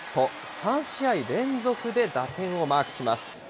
３試合連続で打点をマークします。